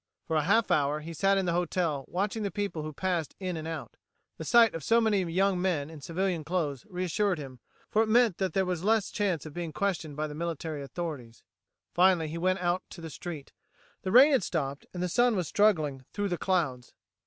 For a half hour he sat in the hotel watching the people who passed in and out. The sight of so many young men in civilian clothes reassured him, for it meant that there was less chance of being questioned by the military authorities. Finally he went out to the street. The rain had stopped, and the sun was struggling through the clouds.